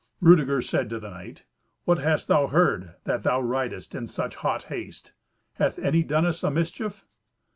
Rudeger said to the knight, "What hast thou heard, that thou ridest in such hot haste? Hath any done us a mischief?"